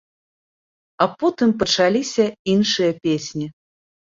А потым пачаліся іншыя песні.